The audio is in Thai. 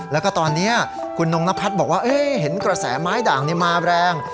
แล้วก็ตอนนี้คุณนงนพัฒน์บอกว่าเห็นกระแสไม้ด่างมาแรง